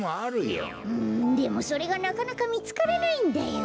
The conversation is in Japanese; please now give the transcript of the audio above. うんでもそれがなかなかみつからないんだよ。